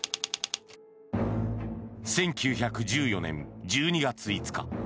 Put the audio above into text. １９１４年１２月５日。